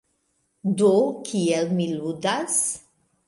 Do, kiel mi ludas?